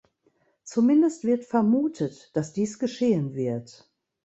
Zumindest wird vermutet, dass dies geschehen wird.